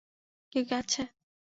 কেউ কি আছে?